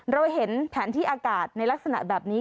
เราเห็นแผนที่อากาศในลักษณะแบบนี้